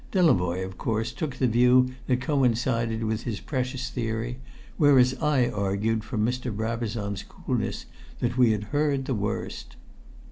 Delavoye, of course, took the view that coincided with his precious theory, whereas I argued from Mr. Brabazon's coolness that we had heard the worst.